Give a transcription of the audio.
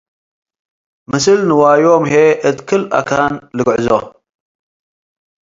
ምስል ንዋዮም ህዬ እት ክል አካን ልግዕዞ ።